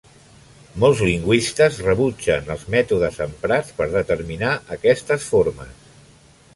Molts lingüistes rebutgen els mètodes emprats per determinar aquestes formes.